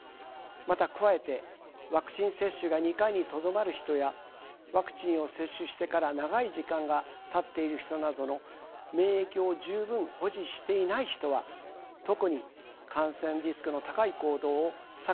また加えてワクチン接種が２回にとどまる人やワクチンを接種してから長い時間がたっている人などの免疫を十分保持していない人は特に感染リスクの高い行動を避けていくことが重要になってきます。